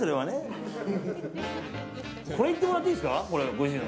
これいってもらっていいですか？